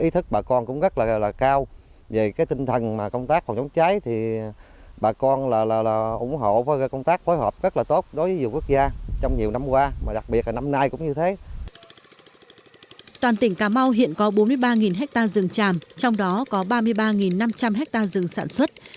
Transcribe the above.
toàn tỉnh cà mau hiện có bốn mươi ba ha rừng tràm trong đó có ba mươi ba năm trăm linh ha rừng sản xuất